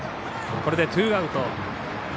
これでツーアウト。